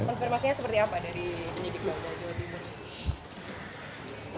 konfirmasinya seperti apa dari penyidik pro prampolri